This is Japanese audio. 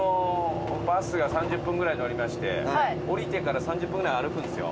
バスが３０分ぐらい乗りまして降りてから３０分ぐらい歩くんですよ。